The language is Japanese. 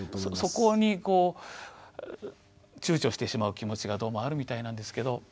そこにこう躊躇してしまう気持ちがどうもあるみたいなんですけど。